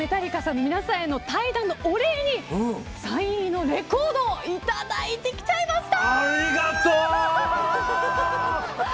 メタリカの皆さんから対談のお礼にサイン入りのレコードをいただいてきちゃいました。